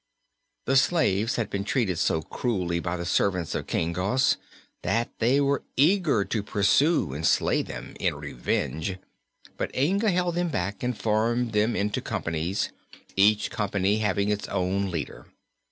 The slaves had been treated so cruelly by the servants of King Gos that they were eager to pursue and slay them, in revenge; but Inga held them back and formed them into companies, each company having its own leader.